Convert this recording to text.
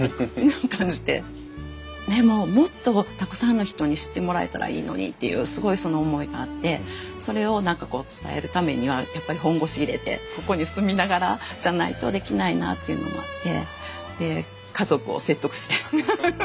でももっとたくさんの人に知ってもらえたらいいのにっていうすごいその思いがあってそれを何かこう伝えるためにはやっぱり本腰入れてここに住みながらじゃないとできないなというのもあってで家族を説得して。